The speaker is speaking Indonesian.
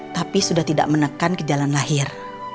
tapi sudah tidak menekan ke jalan lahir